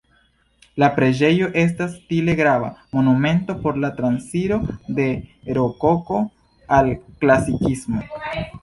La preĝejo estas stile grava monumento por la transiro de Rokoko al Klasikismo.